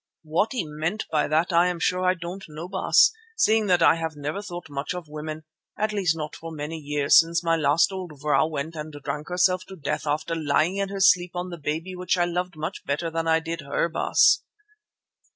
"What he meant by that I am sure I don't know, Baas, seeing that I have never thought much of women, at least not for many years since my last old vrouw went and drank herself to death after lying in her sleep on the baby which I loved much better than I did her, Baas.